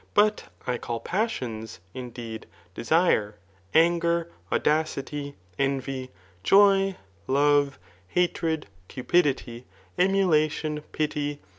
But I call passions, indeed, desire,' anger, a^dacitj, ^nvy, joy, love, hatred, cupidity, emulation, fj^, .